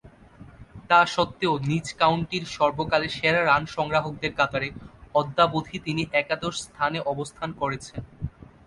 তাসত্ত্বেও নিজ কাউন্টির সর্বকালের সেরা রান সংগ্রাহকদের কাতারে অদ্যাবধি তিনি একাদশ স্থানে অবস্থান করছেন।